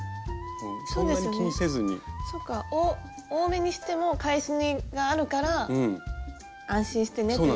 そっか多めにしても返し縫いがあるから安心してねっていう。